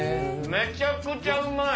めちゃくちゃうまい。